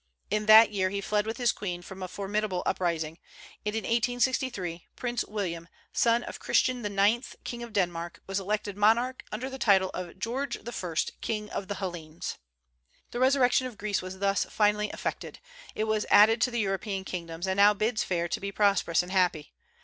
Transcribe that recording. In that year he fled with his queen from a formidable uprising; and in 1863 Prince William, son of Christian IX. King of Denmark, was elected monarch, under the title of George I. King of the Hellenes. The resurrection of Greece was thus finally effected. It was added to the European kingdoms, and now bids fair to be prosperous and happy.